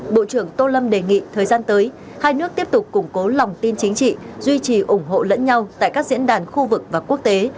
bộ trưởng tô lâm đề nghị thời gian tới hai nước tiếp tục củng cố lòng tin chính trị duy trì ủng hộ lẫn nhau tại các diễn đàn khu vực và quốc tế